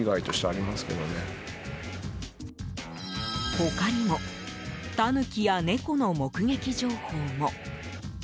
他にもタヌキや猫の目撃情報も。